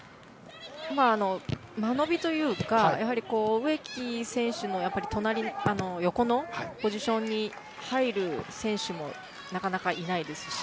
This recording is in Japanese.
間延びというか植木選手の横のポジションに入る選手もなかなかいないですし。